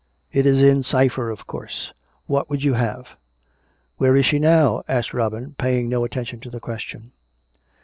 It is in cypher, of course. What would you have.'' "" Where is she now.^ " asked Robin, paying no attention to the question.